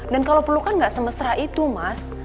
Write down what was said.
dan kalo perlukan gak semestera itu mas